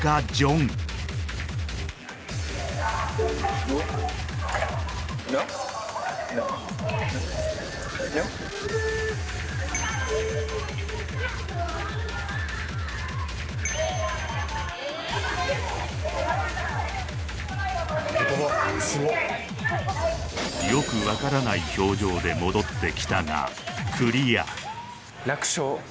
Ｎｏ？よく分からない表情で戻ってきたがクリア